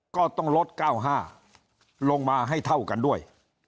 ก็ต้องลด๙๕ลงมาให้เท่ากันด้วย